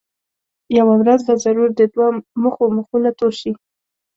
یوه ورځ به ضرور د دوه مخو مخونه تور شي.